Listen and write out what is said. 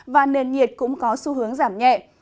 và nền nhiệt cũng có xu hướng giảm nhẹ